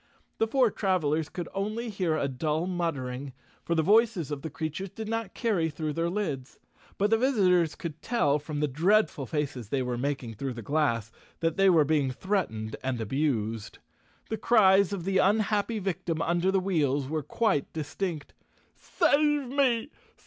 The four travelers could only hear a dull muttering, for the voices of the creatures did not carry through their lids, but the visitors could tell from the dreadful faces they were making through the glass that they were being threatened and abused. The cries of the unhappy victim under the wheels were quite distinct. "Save me!